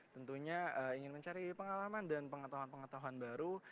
tentunya ingin mencari pengalaman dan pengetahuan pengetahuan baru